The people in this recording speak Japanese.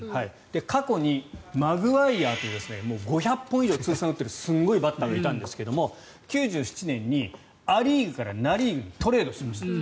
過去にマグワイアという５００本以上通算打っているすごいバッターがいたんですが９７年にア・リーグからナ・リーグにトレードしました。